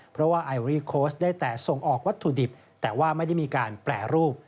เพราะว่าไอรี่โค้ชได้แต่ส่งออกวัตถุดิบแต่ว่าไม่ได้มีการแปรรูป